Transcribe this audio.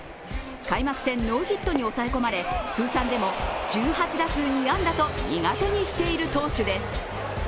開幕戦ノーヒットに抑え込まれ通算でも１８打数２安打と苦手にしている投手です。